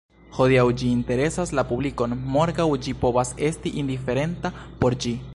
Hodiaŭ ĝi interesas la publikon, morgaŭ ĝi povas esti indiferenta por ĝi.